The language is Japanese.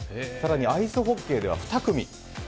更にアイスホッケーでは２組。